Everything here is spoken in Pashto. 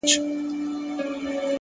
صبر د سترو لاسته راوړنو شرط دی،